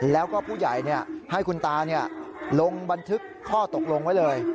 แล้วก็ผู้ใหญ่ให้คุณตาลงบันทึกข้อตกลงไว้เลย